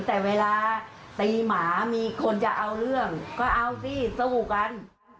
แต่เวลาตีหมามีคนจะเอาเรื่องก็เอาสิสู้กัน